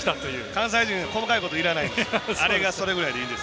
関西人細かいこといらないんです。